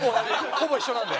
ほぼ一緒なんで。